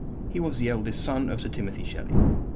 He was the eldest son of Sir Timothy Shelley.